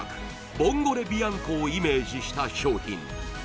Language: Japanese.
ボンゴレビアンコをイメージした商品